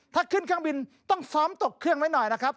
ถ้าขึ้นเครื่องบินต้องซ้อมตกเครื่องไว้หน่อยนะครับ